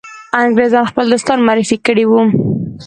انګرېزان خپل دوستان معرفي کړي وه.